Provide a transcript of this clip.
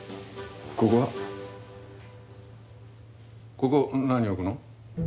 ここ何置くの？